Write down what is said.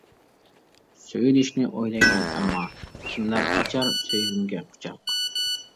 سۆيۈلۈشنى ئويلايمەن ئەمما، كىملەر ئاچار سۆيگۈمگە قۇچاق.